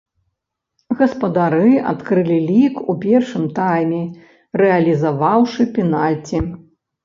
Гаспадары адкрылі лік у першым тайме, рэалізаваўшы пенальці.